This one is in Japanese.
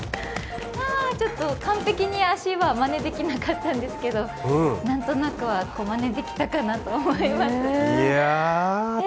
ちょっと完璧に足はまねできなかったんですが、何となくは、まねできたかなと思います。